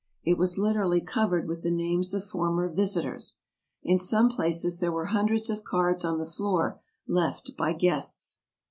It was literally covered with the names of former visitors. In some places there were hundreds of cards on the floor, left by guests.